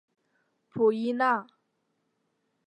普伊奈。